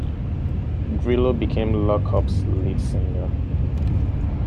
Grillo became Lock Up's lead singer.